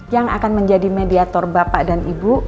yang akan menjadi mediator bapak dan ibu